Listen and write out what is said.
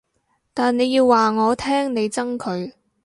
但你要話我聽你憎佢